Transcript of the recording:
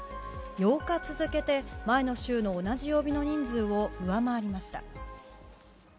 ８日続けて、前の週の同じ曜日の人数を上回りました。